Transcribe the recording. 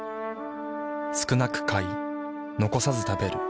少なく買い残さず食べる。